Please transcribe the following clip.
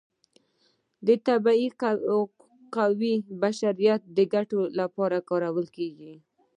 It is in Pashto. د طبیعت قوې د بشریت د ګټې لپاره کاریږي.